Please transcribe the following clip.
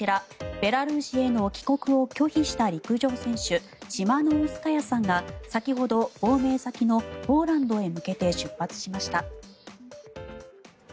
ベラルーシへの帰国を拒否した陸上選手チマノウスカヤさんが先ほど亡命先のポーランドへ向けて出発しました。